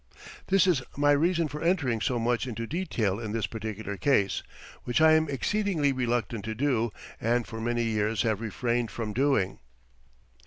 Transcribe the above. This is my reason for entering so much into detail in this particular case, which I am exceedingly reluctant to do, and for many years have refrained from doing.